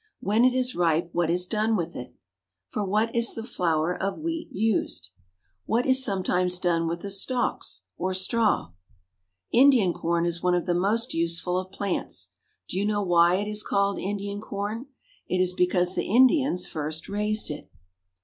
When it is ripe what is done with it? For what is the flour of wheat used? [Illustration: HARVESTING WHEAT IN THE WEST.] What is sometimes done with the stalks, or straw? Indian corn is one of the most useful of plants. Do you know why it is called Indian corn? It is because the Indians first raised it.